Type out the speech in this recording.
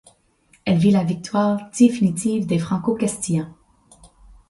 Elle vit la victoire définitive des Franco-Castillans.